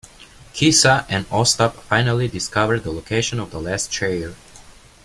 Kisa and Ostap finally discover the location of the last chair.